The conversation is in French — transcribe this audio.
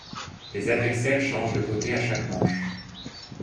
Les adversaires changent de côté à chaque manche.